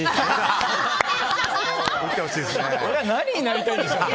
俺は何になりたいんでしょうね。